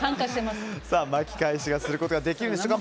巻き返しをすることができるでしょうか。